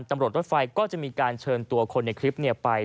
ตำรวจรถไฟก็จะมีการเชิญตัวคนในคลิปนี้ไป